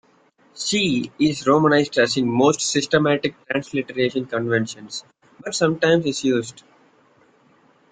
Chi is romanized as in most systematic transliteration conventions, but sometimes is used.